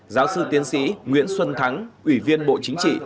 giáo sư tiến sĩ nguyễn xuân thắng ủy viên bộ chính trị